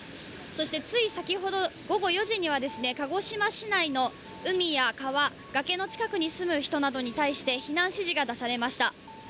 そして、つい先ほど午後４時には鹿児島市内の海や川、崖の近くに住む人などに対して避難指示が出されました。